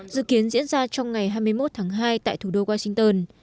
dự kiến diễn ra trong ngày hai mươi một tháng hai tại thủ đô washington